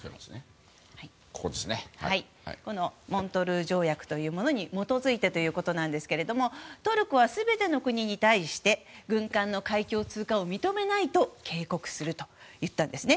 このモントルー条約というものに基づいていてということなんですけどトルコは全ての国に対して軍艦の海峡の通航を認めないと警告するといったんです。